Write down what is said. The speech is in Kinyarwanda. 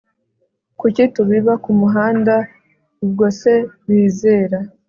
kuki tubiba mumuhanda ubwo se bizera